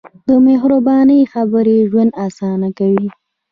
د مهربانۍ خبرې ژوند اسانه کوي.